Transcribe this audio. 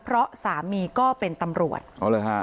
เพราะสามีก็เป็นตำรวจเอาละค่ะ